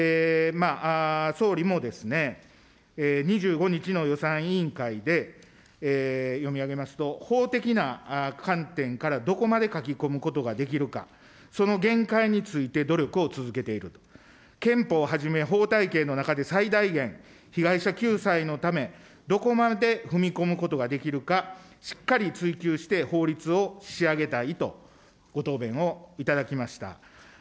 総理もですね、２５日の予算委員会で読み上げますと、法的な観点からどこまで書き込むことができるか、その限界について努力を続けている、憲法をはじめ法体系の中で最大限、被害者救済のため、どこまで踏み込むことができるか、しっかり追及して法律を仕上げたいと、ご答弁を頂きました。